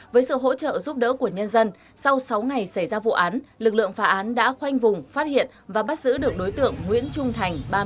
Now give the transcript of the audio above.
với sự hỗ trợ giúp đỡ của nhân dân sau sáu ngày xảy ra vụ án lực lượng phá án đã khoanh vùng phát hiện và bắt giữ được đối tượng nguyễn trung thành